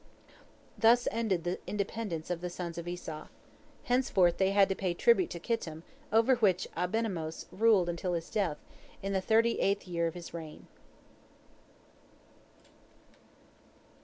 Thus ended the independence of the sons of Esau. Henceforth they had to pay tribute to Kittim, over which Abimenos ruled until his death, in the thirty eighth year of his reign.